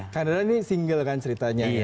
kang dadan ini single kan ceritanya